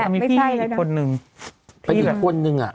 มีพี่อีกคนหนึ่ง